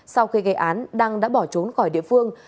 sau khi gây án đăng đã bỏ trốn khỏi địa phương